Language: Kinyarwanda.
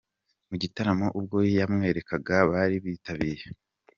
mu gitaramo ubwo yamwerekaga abari bitabiye.